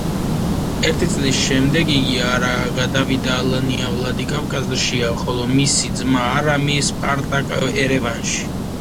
ერთი წლის შემდეგ, იგი არა გადავიდა ალანია ვლადიკავკაზში, ხოლო მისი ძმა არამი სპარტაკ ერევანში.